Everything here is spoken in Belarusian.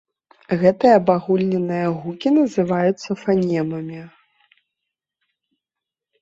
Гэтыя абагульненыя гукі называюцца фанемамі.